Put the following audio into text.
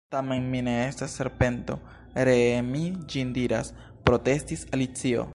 "Tamen mi ne estas serpento, ree mi ĝin diras," protestis Alicio.